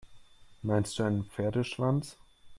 Meinst du einen Pferdeschwanz?